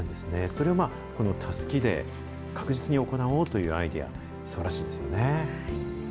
それをこのたすきで確実に行おうというアイデア、すばらしいです